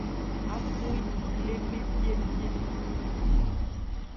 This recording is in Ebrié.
Ákwɛ́n le nmɛ́n pyépyé.